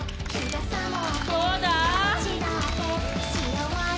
どうだ。